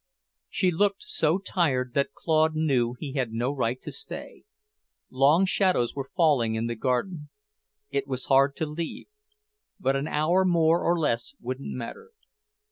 She looked so tired that Claude knew he had no right to stay. Long shadows were falling in the garden. It was hard to leave; but an hour more or less wouldn't matter.